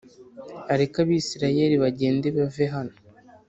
areke Abisirayeli bagende bave hano